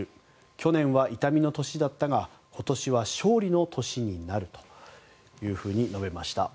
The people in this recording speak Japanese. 去年は痛みの年だったが今年は勝利の年になると述べました。